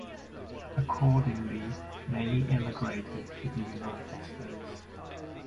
Accordingly, many emigrated to the United States.